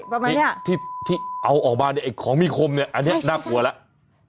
ใช่บอกมั้ยเนี่ยที่ที่เอาออกมาเนี่ยไอ้ของมีคมเนี่ยอันนี้น่ากลัวแล้ว